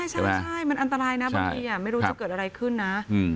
ใช่มันอันตรายนะบางทีไม่รู้จะเกิดอะไรขึ้นนะ